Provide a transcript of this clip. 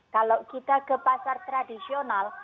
kalau kita ke pasar tradisional